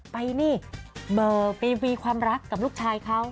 ไปนี่ไปวีความรักกับลูกชายเขา